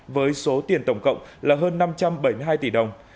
với số tiền tổng cộng là hơn năm trăm bảy mươi hai tỷ đồng